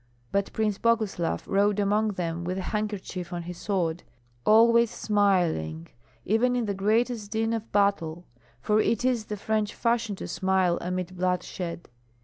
But Prince Boguslav rode among them with a handkerchief on his sword, always smiling, even in the greatest din of battle, for it is the French fashion to smile amid bloodshed.